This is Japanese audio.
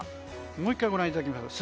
もう１回ご覧いただきましょう。